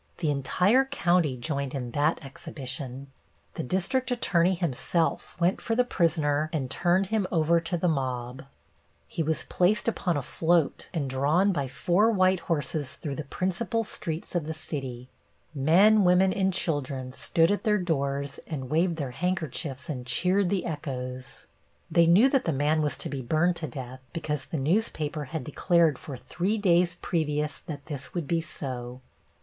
The entire county joined in that exhibition. The district attorney himself went for the prisoner and turned him over to the mob. He was placed upon a float and drawn by four white horses through the principal streets of the city. Men, women and children stood at their doors and waved their handkerchiefs and cheered the echoes. They knew that the man was to be burned to death because the newspaper had declared for three days previous that this would be so.